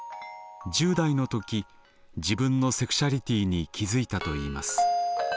１０代の時自分のセクシャリティーに気付いたといいます。